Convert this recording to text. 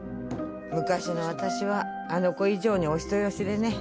昔の私はあの子以上にお人よしでね。